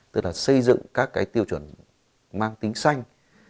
tức là xây dựng các cái tiêu chuẩn mang tính xanh